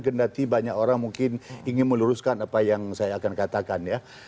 karena tiba tiba banyak orang mungkin ingin meluruskan apa yang saya akan katakan ya